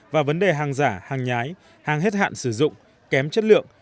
và vấn đề hàng giả hàng nhái hàng hết hạn sử dụng kém chất lượng